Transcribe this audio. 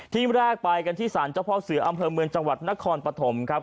แรกไปกันที่สารเจ้าพ่อเสืออำเภอเมืองจังหวัดนครปฐมครับ